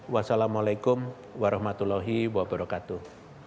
wassalamu'alaikum warahmatullahi wabarakatuh